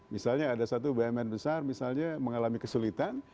misalnya ada satu bumn besar misalnya mengalami kesulitan